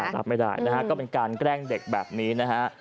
รับไม่ได้นะฮะก็เป็นการแกล้งเด็กแบบนี้นะฮะ